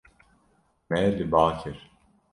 Me li ba kir.